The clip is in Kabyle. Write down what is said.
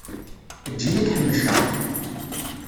Eǧǧ-iyi ad k-ḥemceɣ.